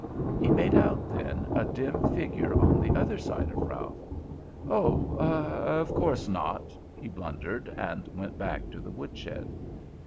He made out, then, a dim figure on the other side of Ralph. "Oh! Of course not!" he blundered, and went back to the woodshed.